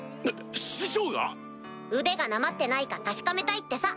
師匠が⁉腕がなまってないか確かめたいってさ。